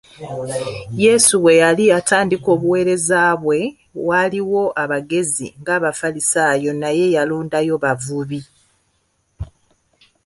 Yesu bwe yali atandika obuweereza bwe, waaliwo abagezi ng’abafalisaayo naye yalondayo bavubi.